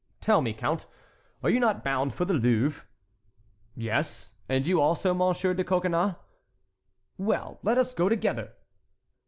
"Tell me, count, are you not bound for the Louvre?" "Yes! and you also, Monsieur de Coconnas." "Well, let us go together."